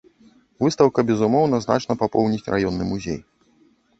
Выстаўка безумоўна значна папоўніць раённы музей.